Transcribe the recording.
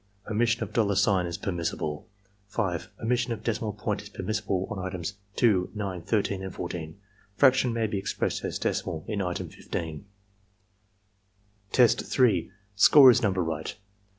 Omission of dollar sign is permissible. 5. Omission of decimal point is permissible in items 2, 9, 13, and 14. Fraction may be expressed as decimal in item 15. Tests (Score is number right.)